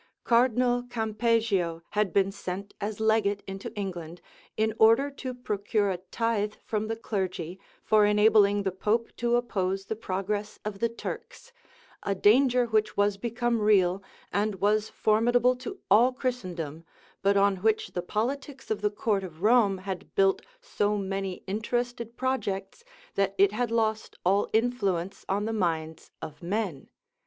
Cardinal Campeggio had been sent as legate into England, in order to procure a lithe from the clergy, for enabling the pope to oppose the progress of the Turks; a danger which was become real, and was formidable to all Christendom, but on which the politics of the court of Rome had built so many interested projects that it had lost all influence on the minds of men.